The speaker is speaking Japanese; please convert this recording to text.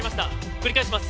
繰り返します